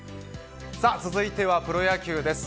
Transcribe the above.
続いては、プロ野球です。